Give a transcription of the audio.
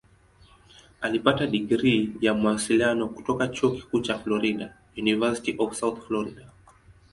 Alipata digrii ya Mawasiliano kutoka Chuo Kikuu cha Florida "University of South Florida".